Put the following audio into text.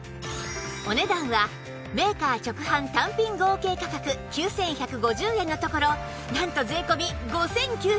お値段はメーカー直販単品合計価格９１５０円のところなんと税込５９８０円